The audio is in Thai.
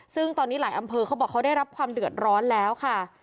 ซึ่งตอนนี้หลายอำเภอเขาบอกเขาได้รับความเดือดร้อนแล้วค่ะ